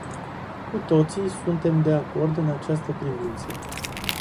Cu toții suntem de acord în această privință.